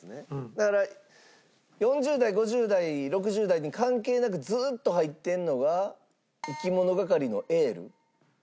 だから４０代５０代６０代に関係なくずっと入ってんのがいきものがかりの『ＹＥＬＬ』。